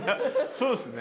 そうっすね。